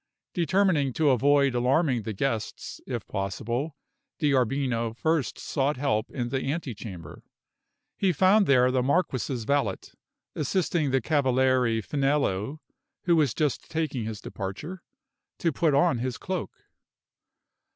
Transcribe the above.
Determining to avoid alarming the guests, if possible, D'Arbino first sought help in the antechamber. He found there the marquis's valet, assisting the Cavaliere Finello (who was just taking his departure) to put on his cloak.